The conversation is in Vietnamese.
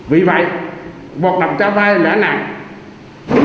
vì vậy hoạt động cho vay lãi nặng